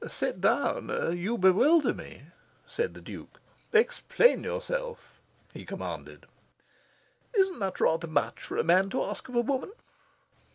"Sit down! You bewilder me," said the Duke. "Explain yourself!" he commanded. "Isn't that rather much for a man to ask of a woman?"